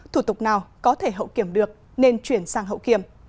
thủ tục nào có thể hậu kiểm được nên chuyển sang hậu kiểm